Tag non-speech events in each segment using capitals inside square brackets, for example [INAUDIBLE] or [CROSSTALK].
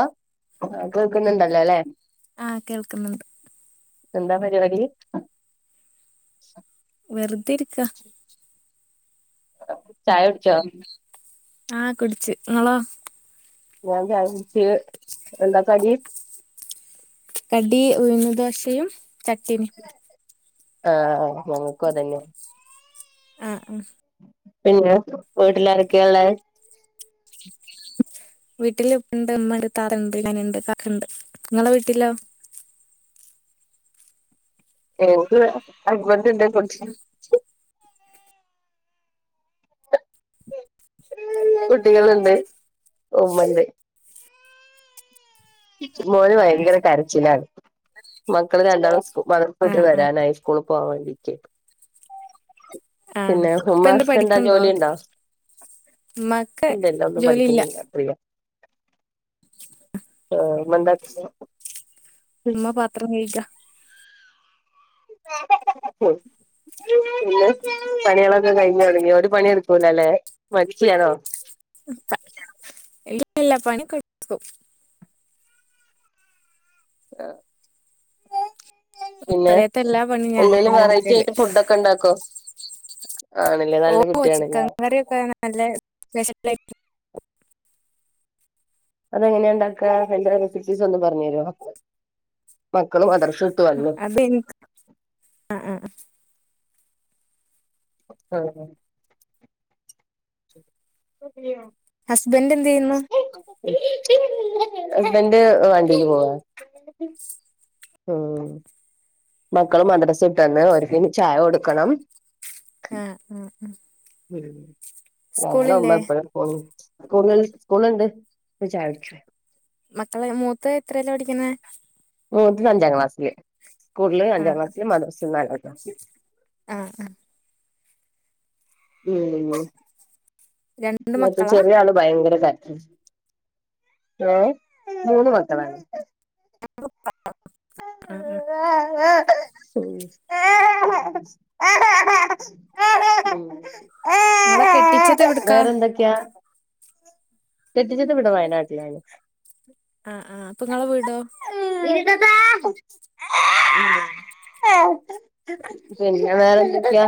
Hello കേൾക്കുന്നുണ്ടല്ലോ ലെ ആഹ് കേൾക്ന്ണ്ട് എന്താ പരിപാടി വെറുതെരിക്ക ചായടിച്ചോ ആഹ് കുടിച് ങ്ങളോ ഞാൻ ചായ കുടിച്ച് എന്താ കടി കടി ഉഴുന്ന് ദോശയും ചട്ടിനി ആഹ് ഞങ്ങക്കും അതന്നെ ആഹ് ആഹ് പിന്നെ വീട്ടിലാരൊക്കെയള്ളെ വീട്ടിൽ ഉപ്പ ണ്ട് ഉമ്മണ്ട് ത്താത്ത ണ്ട് ഞന്ണ്ട് കാക്ക ണ്ട് നങ്ങളെ വീട്ടിലോ എന്ത് ഹസ്ബെന്റ് എന്തെ കുടിച്ചിനോ കുട്ടികളുണ്ട് ഉമ്മ ണ്ട് മോന് ഭയങ്കര കരച്ചിലാണ് മക്കള് രണ്ടാളും [UNINTELLIGIBLE] പോയിട്ട് ആഹ് ആഹ് വരാനായി സ്കൂൾ പോകാൻ വേണ്ടി നിൽക്കാണ് ആഹ് പിന്നെ ഇപ്പ എന്ത് ഉമ്മാക് എന്താ പഠിക്കണ്ടോ ജോലി ഇണ്ടോ ഉമ്മാക്ക് ഇല്ലല്ല ഒന്നും ജോലിയില്ല പഠിക്കുന്നില്ല ഫ്രീയാ ആഹ് ഉമ്മ എന്താ ചെയ്യാ ഉമ്മ പാത്രം കൈക ഹും പിന്നെ പണികളൊക്കെ കഴിഞ്ഞു തുടങ്ങിയോ ഒരു പണിടുക്കൂലലെ മടിച്ചിയാണോ ഇല്ലല്ലാ പണി ഒക്കെ എടുക്കും ആഹ് പിന്നെ പെരേത്തെ എല്ലാ പണിയും എന്തേലും ഞാനെന്നെ വെറൈറ്റി എടുക്കല് ആയിട്ട് ഫുഡ്‌ ഒക്കെ ഉണ്ടാക്കോ ആണ്ല്ലേ നല്ല ഓഹ് ചിക്കൻ കുട്ടിയാണല്ലേ കറിയൊക്കെ നല്ല സ്പെഷ്യൽ ആയിരിക്കും അതെങ്ങനെയ ണ്ടാക്ക അത് ന്റെ റെസ്പീസ് ഒന്ന് പറഞ്ഞു തരോ മക്കള് മദ്രസ വിട്ട് വന്നു അത് ഇൻക് ആഹ് ആഹ് ആഹ് മതിയോ ഹസ്ബൻഡ് എന്ത് ചെയ്യുന്നു ഹസ്ബന്റ് വണ്ടിയില് പോവാ മ്മ് മക്കള് മദ്രസ വിട്ടന്ന് ഓര്ക്കിനി ചായ കൊടുക്കണം ആഹ് ആഹ് ഞങ്ങടെ സ്കൂളില്ലേ ഉമ്മ എപ്പഴും സ്കൂള് സ്കൂള് ണ്ട് പോയി ചായ കുടിക്കി വേം മക്കള് മൂത്തെ എത്രയലാ പഠിക്ക്ന്നെ മൂത്തത് അഞ്ചാം ക്ലാസില് സ്കൂളില് അഞ്ചാം ആഹ് ക്ലാസില് മദ്രസ നാലാം ക്ലാസില് ആഹ് ആഹ് മ്മ് രണ്ട് വിടുത്തെ മക്കളാ ചെറിയ ആള് ഭയങ്കര കരച്ചിൽ ഏഹ് മൂന്ന് മക്കളാണ് [UNINTELLIGIBLE] [UNINTELLIGIBLE] [UNINTELLIGIBLE] ങ്ങളെ കെട്ടിച്ചത് എവിടുക്കാ ക്യാ കെട്ടിച്ചത് ഇവിടെ വയനാട്ടിലാണ് ആഹ് ആഹ് അപ്പൊ നിങ്ങളെ വീടോ [UNINTELLIGIBLE] പിന്നെ വേറെ എന്തൊക്കെയാ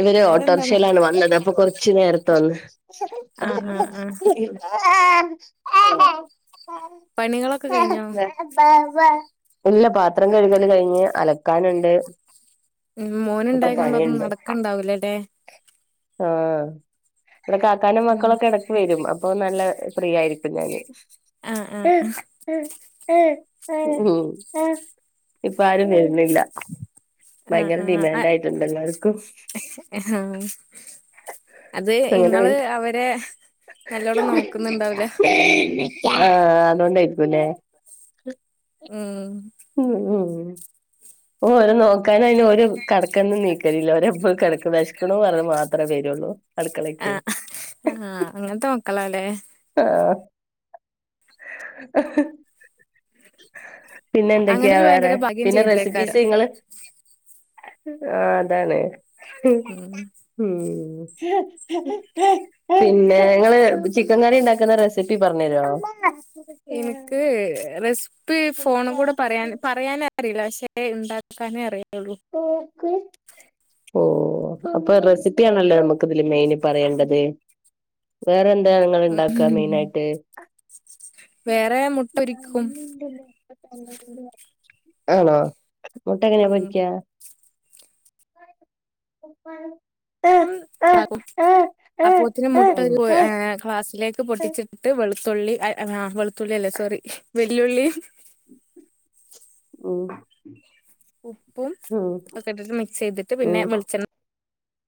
ഇവര് വേറെന്താണ് ഓട്ടോറിക്ഷയിലാണ് വന്നത് അപ്പൊ കുറച്ചു നേരതെ വന്ന് ആഹ് ആഹ് ആഹ് ആ [UNINTELLIGIBLE] പണികളൊ ഇല്ല പാത്രം കഴുകല് കഴിഞ്ഞ് അലക്കാനുണ്ട് ഉം മോന് ഒക്കെ ഇണ്ടായി കൊണ്ട് ഒന്നും പണിയുണ്ട് നടക്ക്ണ്ടാവൂലേല്ലെ ആഹ് ഇവടെ കാക്കാന്റെ ഉം മക്കളൊക്കെ എടക്ക് വരും അപ്പൊന്നാ ല്ല പ്രിയ ആയിരിക്കും ഞാന് ആഹ് ആഹ് ഉം ഇപ്പ ആരും വരുന്നില്ല ആഹ് ഭയങ്കര ആഹ് ഡിമാൻഡ് ആയിട്ടുണ്ട് എല്ലാവർക്കും ആഹ് അത് അങ്ങനെ ഇങ്ങള് വരും അവരെ നല്ലോണം നോക്കുന്നുണ്ടാവൂല ആഹ് അതോണ്ടെയ്ക്കും ല്ലേ ഉം ഉം ഉം ഓഹ് ഒരാ നോക്കാന് അയിന് ഒരു കടക്കൊന്ന് നീക്കലില്ല ഒരെപ്പോഴും കെടക്ക് വെശ്ക്കുണൂ പറഞ്ഞ് മാത്രമേ വരുള്ളൂ അടുക്കളേക്ക് ആഹ് ആഹ് അങ്ങൻത്തെ മക്കളല്ലേ ആഹ് പിന്നെ എന്തൊക്കെയാ അങ്ങനല് വേറെ ഭയങ്കര ഭാഗ്യം പിന്നെ റെസിപ്പീസ് ചെയ്തില്ലേക്കാരം ഇങ്ങള് ആഹ് അതാണ് ഉം ഉം പിന്നെ ഇങ്ങള് ചി ക്കൻ കറി ഇണ്ടാക്കുന്ന റെസിപ്പി പറഞ് തരോ? ഇൻക്ക് റെസിപ്പ് ഫോണുകൂടെ പറയാൻ പറയാന് അറിയില്ല പക്ഷെ ഇണ്ടാക്കാനേ അറിയുള്ളൂ [UNINTELLIGIBLE] ഓഹ് അപ്പ റെസിപ്പിയാണല്ലോ നമ്മക്ക് ഇതില് മെയിന് പറയേണ്ടത് വേറെ ന്താ ഇങ്ങള് ഇണ്ടാക്ക ഉം മെയിനായിട്ട് വേറെ മുട്ട ഒരിക്കും ആണോ മുട്ട എങ്ങനെ ഉം പൊരിക്കാ? [UNINTELLIGIBLE] അപ്പോത്തിന് മുട്ട ഉം ഗ്ലാസിലേക് പൊട്ടിച്ചിട്ടിട്ട് വെളുത്തുള്ളി വെളുത്തുള്ളി അല്ല സോറി വല്യഉള്ളീം ഉം ഉപ്പും ഒക്കെ ഇട്ടിട്ട് മിക്സയ്തിട്ട് പിന്നെ ഉം വെളിച്ചെ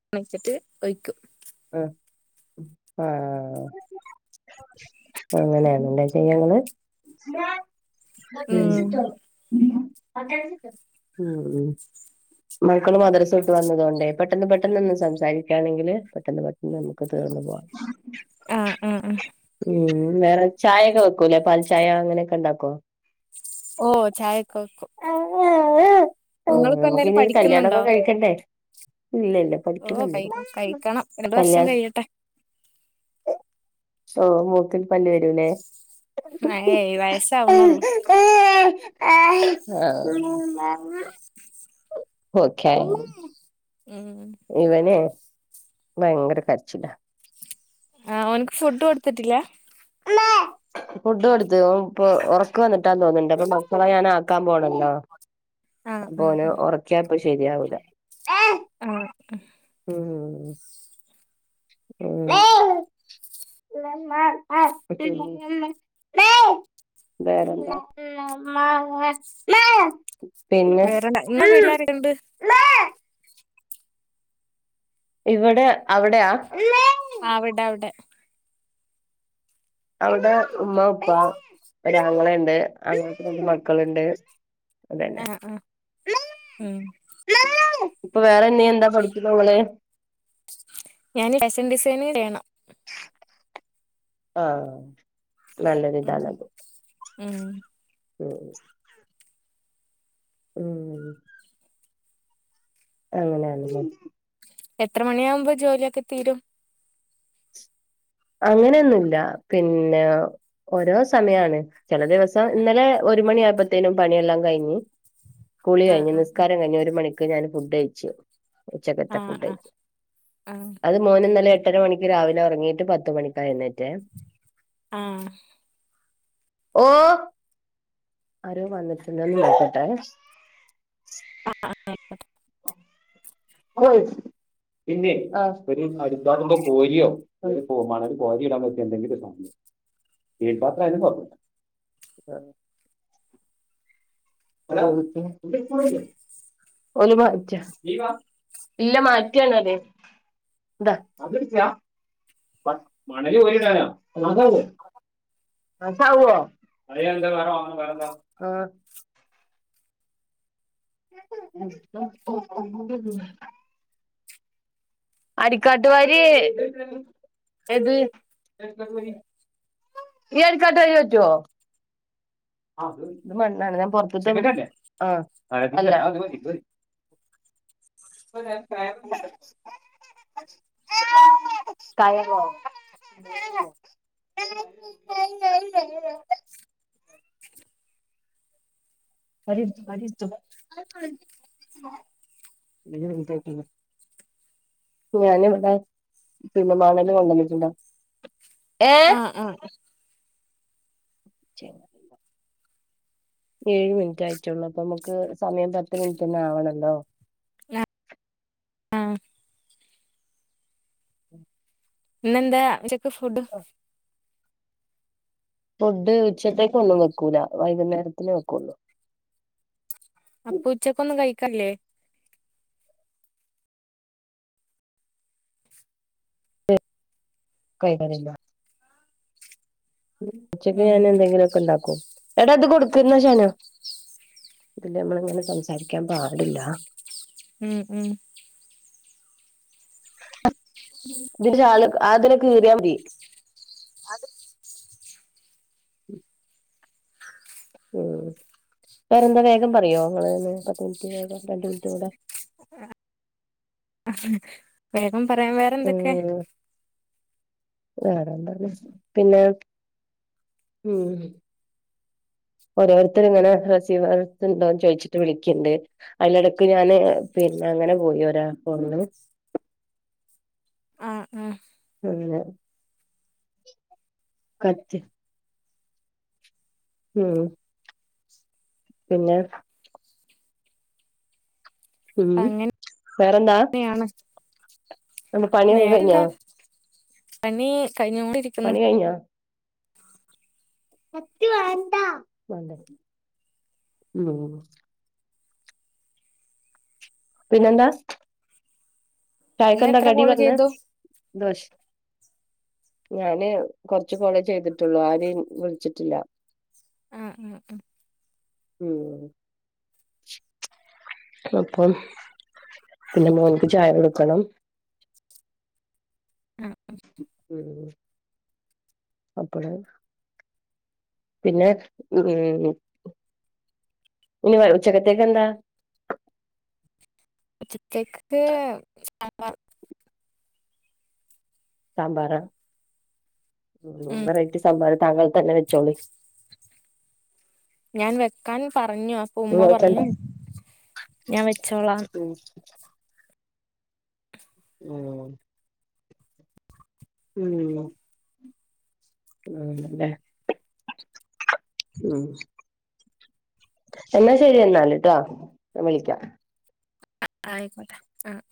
ണ്ണ ഒഴിച്ചിട്ട് ഒഴിക്കും അഹ് ആഹ് അങ്ങനെണ് ലെ ചെയ്യ ഇങ്ങള് ഉം [UNINTELLIGIBLE] ഉം ഉം മക്കള് മദ്രസ വിട്ടു വന്ന്ക്കാണ്ടെ പെട്ടെന്ന് പെട്ടെന്ന് ഒന്ന് സംസാരിക്കാണെങ്കില് പെട്ടെന്ന് നമ്മക്ക് തീർന്നു പോവാ ആഹ് ആഹ് ആഹ് ഉം വേറെ ചായക്കെ വെക്കൂലെ പാൽ ചായ അങ്ങനെക്കെ ഇണ്ടാക്കോ? ഓഹ് ചായക്കെ വെക്കും ആഹ് നിങ്ങളിപ്പോ നമുക്ക് എന്തായാലും ഇനി ഒരു പഠിക്കുന്നുണ്ടോ കല്യാണോക്കെ കഴിക്കണ്ടേ ഇല്ലല്ല ഓ കഴി പഠിക്കുന്നുണ്ടോ കഴിക്കണം രണ്ട് വർഷം കല്യാണം കഴിയട്ടെ ഓ മുക്കില് പല്ല് വരൂലെ? ഏയ് വയസ്സാവുന്നുള്ളൂ ഒകെ ഉം ഇവനെ ഭയങ്കര കരച്ചില ആഹ് ഓൻക്ക് ഫുഡ് കൊടുത്തിട്ടില്ലേ ഫുഡു കൊടുത്തു ഇപ്പൊ ഉറക്ക വന്നിട്ടാന്ന് തോന്നിണ്ട് അപ്പൊ മക്ക ള ഞാന ആക്കാൻ പോണല്ലോ ആഹ് അപ്പ ഓനെ ആഹ് ഉറക്കിയാപ്പ ശരിയാവൂല ആഹ് ഉം പിന്നെ വേറെന്താ പിന്നെ വേറെന്ത ഇന്ന് വീട്ടി ലാ രൊക്കെ ഉണ്ട് ഇവിടെ അവിടെയാ അവിടെ അവിടെ അവടെ ഉമ്മ ഉപ്പ ഒരാ ങ്ങളയു ണ്ട് അങ്ങള ക്ക് രണ്ട് മക്കളുണ്ട് അതന്നെ ആഹ് ആഹ് ഉം ഇപ്പൊ വേറെന്നെയ എന്താ പഠിക്കുന്ന ഓളേ ഞാന് ഫാഷൻ ഡിസൈനിഗ് ചെയ്യണം ആഹ് ഉം നല്ലതിതാണല്ലോ ഉം ഉം അങ്ങനെയാണല്ലെ എത്ര മണിയാകുമ്പോ ജോലിയൊക്കെ തീരും അങ്ങനെയൊന്നുമി ല്ല പിന്നെ ഓരോ സമയാണ് ചെല ദിവസം ഇന്നലെ ഒരു മണി ആയപ്പോത്തേനും പണിയെല്ലാം കഴിഞ്ഞു കുളി ആഹ് കഴിഞ്ഞ് ആഹ് നിസ്കാരം കഴിഞ് ഒരു മണിക്ക് ഞാൻ ഫുഡ് കയിച്ചു ഉച്ചകത്തെ ആഹ് ആഹ് ഫുഡകഴിച്ചു ആഹ് അത് മോ നി ന്നലെ എട്ടര മണിക്ക് രാവിലെ ഉറങ്ങിയിട്ട് പത്ത് മണിക്കാഎ യിന്നേറ്റേ ആഹ് ഓ ആരോ വന്നിട്ടുണ്ട് ഒന്ന് നോ ക്കട്ടെ ആഹ് ആഹ് ആയിക്കോട്ടെ ഓ പിന്നെ ഒരു അരുകാട്ടിന്റെ കൊ രിയോ അപോ മണൽ കൊരി ഇടാൻ പറ്റിയ എന്തെങ്കിലുംഒരു സാധനം സ്റ്റിൽ പാത്ര യാലും മതി [UNINTELLIGIBLE] ഓ ല് മാറ്റ ഇല്ല മാറ്റാണ് അത് ഇതാ ബാ മണല് കോരിയിടാന അതെ തെ മാച്ചാവോ [UNINTELLIGIBLE] എന്താ വേറവാങ്ങുംവെറെന്താ ഓ അടിക്കാട്ടു വാരിഏത് ഈ അരികാട്ടു വാരി പറ്റോ ഇത് മണ്ണാണ് ഞാൻ പൊറത്ത്താ ആ അല്ല പോ കയറൊ മരിട്ടതൊ ഞാന് ഇവിടെ [UNINTELLIGIBLE] കൊണ്ടന്നിട്ടുണ്ടോ ഏഹ് ആഹ് ആഹ് ഏഴ് മിനിറ്റ് ആയിട്ടേള്ളൂ അപ്പൊ നമുക്ക് സമയം പത്ത് മിനിറ്റ് തന്നെ ആവണല്ലോ ആഹ് ഇന്നെന്താ ഉച്ചക്ക് ഫുഡ് ഫുഡ് ഉച്ചത്തേക്ക് ഒന്നും വെക്കൂല വൈകുന്നേരത്തിന് വെക്കുള്ളൂ അപ്പൊ ഉച്ചക്കൊന്നും കഴിക്കല്ലേ കൈക്കണില്ല ഉച്ചക്ക് ഉം ഞാൻ എന്തെങ്കിലൊക്കെ ഇണ്ടാക്കും എടാ അത് കൊടുക്കരുന്നേ ശനോ ഇതില് നമ്മളിങ്ങനെ സംസാരിക്കാൻ പാടില്ല ഉം ഉം ഇതിലാ അതിനെ കീറിയാ മതി അത് ഉം വേറെന്താ വേഗം പറയോ നിങ്ങ പത്ത് മിനിറ്റ് വേഗം രണ്ട് മിനിറ്റ് കൂടെ വേഗം പറയാൻ വേറെ ഉം വേറെന്താണ് പിന്നെ ഉം ഓരോരുത്തർ ഇങ്ങനെ ഹസീ ഉണ്ടോന്ന് ചോദിച്ചിട്ട് വിളിക്കണ്ട് അതിലെടക്ക് ഞാന് പിന്നെ അങ്ങനെ പോയി ഒരാ പോന്ന് ആഹ് ആഹ് പിന്നെ കറ്റ് ഉം പിന്നെ ഉം വേറെന്താ ക്കാണ് നമ്മ പണിയൊക്കെ കഴിഞ്ഞോ വേറെന്താ പണി കഴിഞ്ഞോ പണി കഴിഞ്ഞാ ത്തി വേണ്ട പിന്നെന്താ ഇന്ന് ചായക്കെന്താ എത്ര കടി കോള് പറഞ്ഞേ ചെയ്തു ദോ ഞാന് കൊറച്ചു കോളേ ചെയ്തിട്ടുള്ളൂ ആര് വിളിച്ചിട്ടില്ല ആഹ് ആഹ് ആഹ് ഉം അപ്പം പിന്നെ മോനിക്ക് ചായ കൊടുക്കണം ആഹ് ഉം അപ്പഴ് പിന്നെ ഉം ഇനി ഉച്ചക്കത്തേക്കെന്താ ഉച്ചത്തേക്ക് [UNINTELLIGIBLE] സാമ്പാറാ ഉം വെറൈറ്റി സാമ്പാർ താങ്കൾ തന്നെ വെച്ചോളി ഞാൻ വെക്കാൻ പറഞ്ഞു അപ്പൊ ഉമ്മ നിങ്ങൾക്കണ്ട പറഞ്ഞു ഞാൻ വെച്ചോളാം ആഹ് [UNINTELLIGIBLE] ഉം അല്ലെ ഉം എന്നാ ശരി എന്നാൽ കേട്ടോ ഞാ വിളിക്കാം ആയിക്കോട്ടെ ആഹ്